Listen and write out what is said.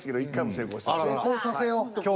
成功させよう。